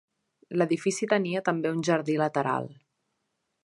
L'edifici tenia també un jardí lateral.